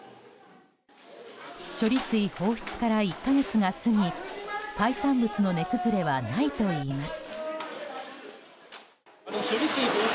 処理水放出から１か月が過ぎ海産物の値崩れはないといいます。